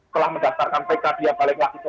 telah mendaftarkan pkd yang balik lagi ke